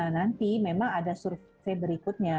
nanti memang ada survei berikutnya